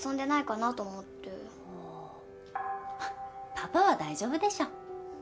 パパは大丈夫でしょ。